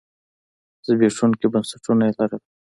زبېښونکي بنسټونه یې لرل.